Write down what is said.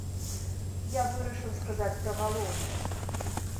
Я вырашыў сказаць пра галоўнае.